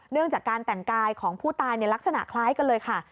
เรื่องจากการแต่งกายของผู้ตายลักษณะคล้ายกันเลยค่ะ